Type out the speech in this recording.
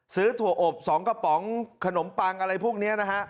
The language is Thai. ซื้อถั่วอบสองกระป๋องขนมปังอะไรพวกเนี้ยนะฮะ